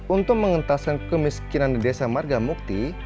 untuk menghentaskan kemiskinan di desa magamerti